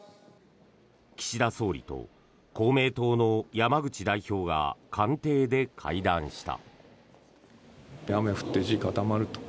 岸田総理と公明党の山口代表が官邸で会談した。